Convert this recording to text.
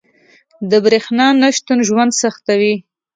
• د برېښنا نه شتون ژوند سختوي.